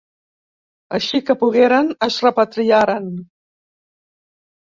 Així que pogueren, es repatriaren.